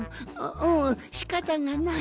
んしかたがない。